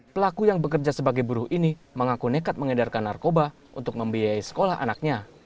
pelaku yang bekerja sebagai buruh ini mengaku nekat mengedarkan narkoba untuk membiayai sekolah anaknya